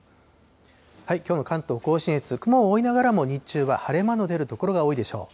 きょうの関東甲信越、雲も多いながらも、日中は晴れ間の出る所が多いでしょう。